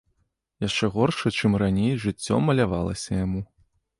Яшчэ горшае, чым раней, жыццё малявалася яму.